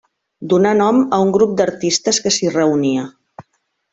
Donà nom a un grup d'artistes que s'hi reunia.